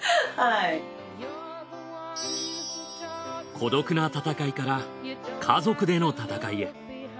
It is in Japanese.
孤独な戦いから家族での戦いへ。